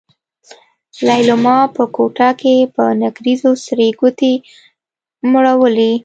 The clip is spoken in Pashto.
ليلما په کوټه کې په نکريزو سرې ګوتې مروړلې.